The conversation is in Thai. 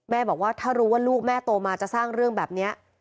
บอกว่าถ้ารู้ว่าลูกแม่โตมาจะสร้างเรื่องแบบนี้